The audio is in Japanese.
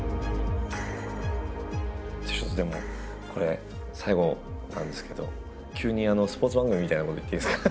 ちょっとでもこれ最後なんですけど急にスポーツ番組みたいなこと言っていいですか？